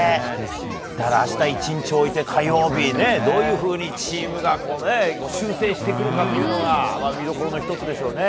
明日１日置いて火曜日、どういうふうにチームが修正してくるかが見どころの１つでしょうね。